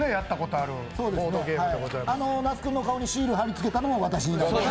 あの那須君の顔にシール貼り付けたのも私でございます。